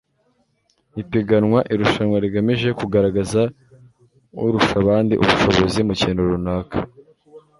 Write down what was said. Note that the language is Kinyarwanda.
ipiganwa irushanwa rigamije kugaragaza urusha abandi ubushobozi mu kintu runaka